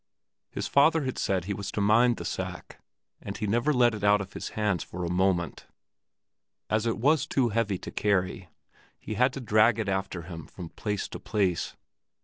His father had said he was to mind the sack, and he never let it out of his hands for a moment; as it was too heavy to carry, he had to drag it after him from place to place.